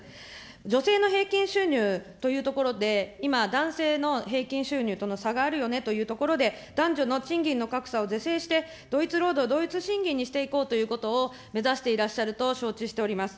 女性の平均収入というところで、今、男性の平均収入との差があるよねというところで、男女の賃金の格差を是正して同一労働、同一賃金にしていこうということを目指していらっしゃると承知しております。